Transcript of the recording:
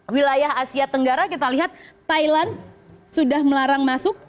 wilayah asia tenggara kita lihat thailand sudah melarang masuk